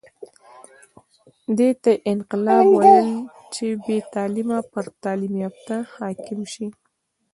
دې ته یې انقلاب ویل چې بې تعلیمه پر تعلیم یافته حاکم شي.